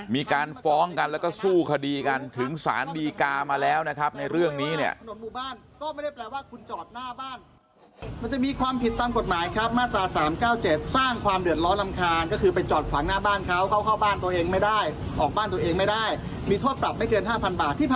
มีการฟ้องกันสู้คดีกันถึงสนลิกามาแล้วนะครับในเรื่องนี้